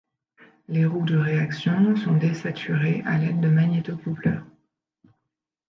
Les roues de réaction sont désaturées à l'aide de magnéto-coupleurs.